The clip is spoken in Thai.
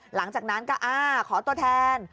หลังจากนั้นก็อ้าขอตัวแทน